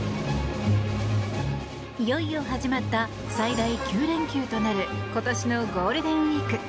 いよいよ始まった最大９連休となる今年のゴールデンウィーク。